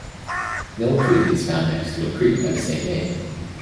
Mill Creek is found next to a creek by the same name.